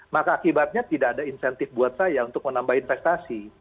maka akibatnya tidak ada insentif buat saya untuk menambah investasi